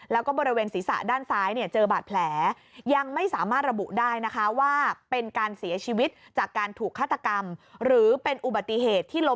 แล้วก็บริเวณศีรษะด้านซ้ายเจอบาดแผล